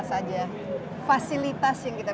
saja fasilitas yang kita